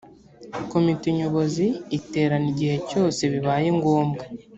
komite nyobozi iterana igihe cyose bibaye ngombwa